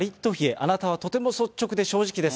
あなたはとても率直で正直です。